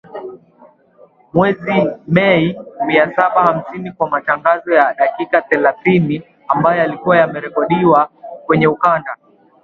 Mwezi Mei mia saba hamsini kwa matangazo ya dakika thelathini ambayo yalikuwa yamerekodiwa kwenye ukanda